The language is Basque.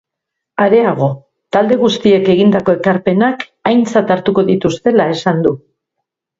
Areago, talde guztiek egindako ekarpenak aintzat hartuko dituztela esan du.